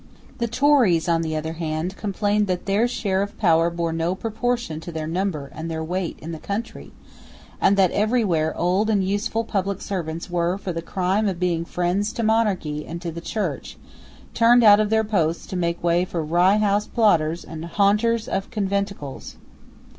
The Tories, on the other hand, complained that their share of power bore no proportion to their number and their weight in the country, and that every where old and useful public servants were, for the crime of being friends to monarchy and to the Church, turned out of their posts to make way for Rye House plotters and haunters of conventicles.